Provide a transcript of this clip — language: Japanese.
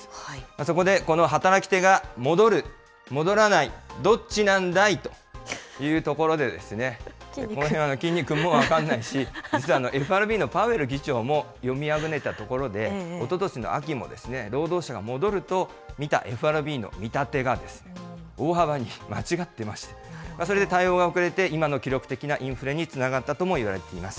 そこで、この働き手が戻る、戻らない、どっちなんだいというところで、このへんはきんに君も分からないし、実はＦＲＢのパウエル議長も読みあぐねたところで、おととしの秋も、労働者が戻ると見たＦＲＢの見立てが大幅に間違ってまして、それで対応が遅れて、今の記録的なインフレにつながったともいわれています。